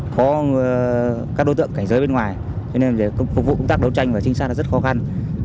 có các đối tượng cảnh giới bên ngoài cho nên việc phục vụ công tác đấu tranh và trinh sát là rất khó khăn